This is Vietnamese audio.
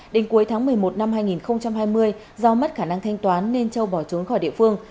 đến cuối tháng một mươi một năm hai nghìn hai mươi do mất khả năng thanh toán nên châu bỏ trốn khỏi địa phương